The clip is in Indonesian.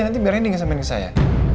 nanti biar rendy nggesamin ke saya